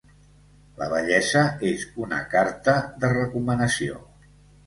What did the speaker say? La bellesa és una carta de recomanació.